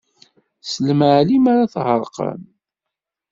Tessnem Ɛli m'ara tɣerqem!